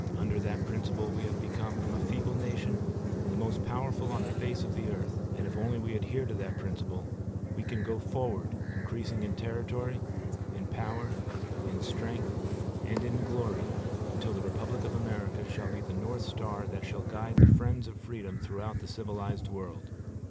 Under that principle we have become, from a feeble nation, the most powerful on the face of the earth; and, if we only adhere to that principle, we can go forward increasing in territory, in power, in strength, and in glory until the Republic of America shall be the north star that shall guide the friends of freedom throughout the civilized world.